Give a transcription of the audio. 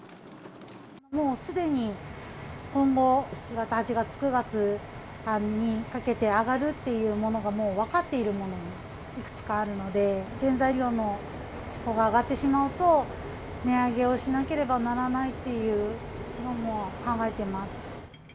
もうすでに今後、７月、８月、９月にかけて、上がるっていうものが、もう分かっているものがいくつかあるので、原材料のほうが上がってしまうと、値上げをしなければならないっていうのも考えています。